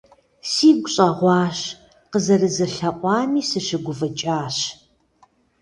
Сигу щӀэгъуащ, къызэрызэлъэӀуами сыщыгуфӀыкӀащ.